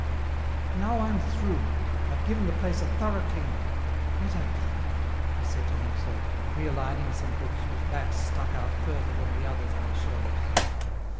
"Now I'm through. I've given the place a thorough cleaning. Let her come," he said to himself, realigning some books whose backs stuck out further than the others on the shelves.